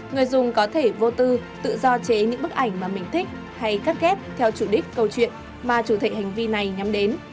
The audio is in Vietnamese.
người dùng có thể vô tư tự do chế những bức ảnh mà mình thích hay cắt ghép theo chủ đích câu chuyện mà chủ thể hành vi này nhắm đến